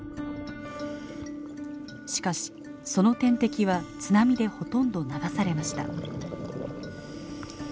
しかしその天敵は津波でほとんど流されました。